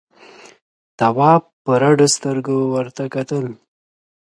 تواب په رډو سترګو ورته وکتل.